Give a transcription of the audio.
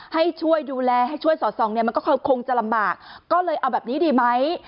ให้ช่วยดูแลให้ช่วยสอดส่องเนี่ยมันก็คงจะลำบากก็เลยเอาแบบนี้ดีไหม